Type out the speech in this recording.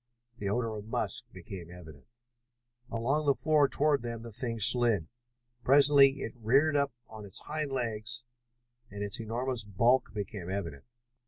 The odor of musk became evident. Along the floor toward them the thing slid. Presently it reared up on its hind legs and its enormous bulk became evident.